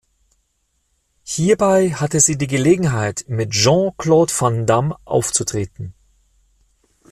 Hierbei hatte sie die Gelegenheit, mit Jean-Claude Van Damme aufzutreten.